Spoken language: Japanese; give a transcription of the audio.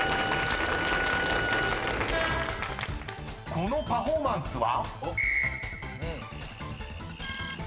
［このパフォーマンスは？］